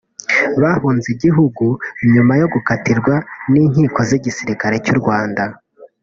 bahunze igihugu nyuma yo gukatirwa n’inkiko z’igisirikare cy’u Rwanda